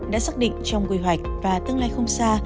đã xác định trong quy hoạch và tương lai không xa